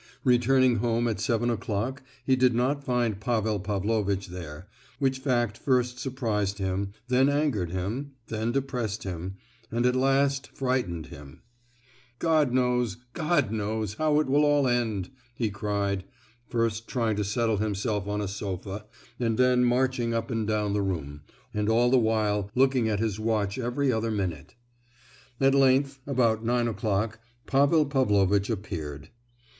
Returning home at seven o'clock he did not find Pavel Pavlovitch there, which fact first surprised him, then angered him, then depressed him, and at last, frightened him. "God knows, God knows how it will all end!" he cried; first trying to settle himself on a sofa, and then marching up and down the room, and all the while looking at his watch every other minute. At length—at about nine o'clock—Pavel Pavlovitch appeared.